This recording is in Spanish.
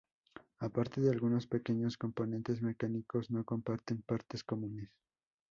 Aparte de algunos pequeños componentes mecánicos, no comparten partes comunes.